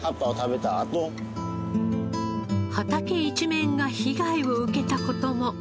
畑一面が被害を受けた事も。